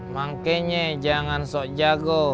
makanya jangan sok jago